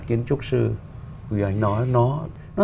kiến trúc sư vì anh nói nó